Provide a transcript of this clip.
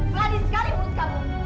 melanin sekali mulut kamu